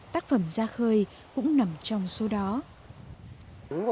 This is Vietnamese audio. tác phẩm gia khơi cũng nằm trong xuống bãi biển thiên cầm này